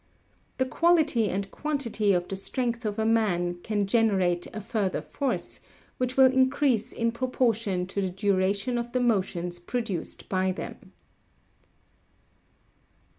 The quality and quantity of the strength of a man can generate a further force, which will increase in proportion to the duration of the motions produced by them.